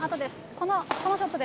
このショットです。